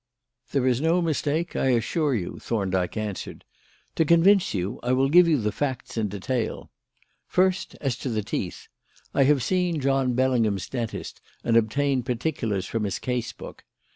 "There is no mistake, I assure you," Thorndyke answered. "To convince you, I will give you the facts in detail. First, as to the teeth. I have seen John Bellingham's dentist and obtained particulars from his case book.